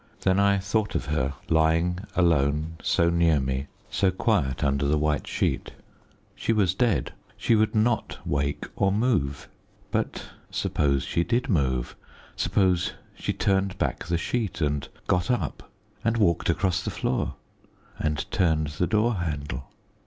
Then I thought of her, lying alone, so near me, so quiet under the white sheet. She was dead; she would not wake or move. But suppose she did move? Suppose she turned back the sheet and got up, and walked across the floor and turned the door handle?